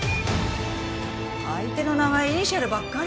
相手の名前イニシャルばっかり。